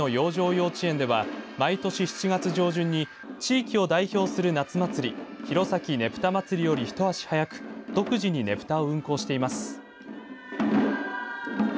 幼稚園では毎年７月上旬に地域を代表する夏祭り弘前ねぷたまつりより一足早く独自にねぷたを運行しています。